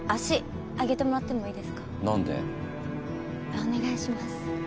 お願いします。